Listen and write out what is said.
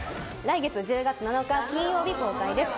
来月１０月７日金曜日公開です。